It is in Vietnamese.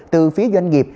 từ phía doanh nghiệp